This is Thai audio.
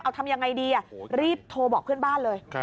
เอาทำยังไงดีรีบโทรบอกเพื่อนบ้านเลย